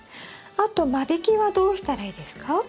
あと間引きはどうしたらいいですか？